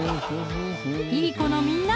いい子のみんな！